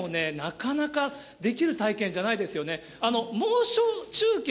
これはでもね、なかなかできる体験じゃないですよね。